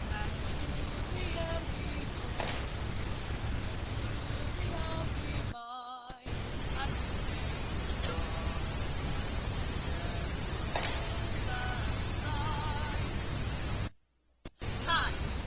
"And surely ye'll be your pint stoup, And surely I'll be mine; And we'll taste a cup o' kindness yet For auld lang syne." "Scotch!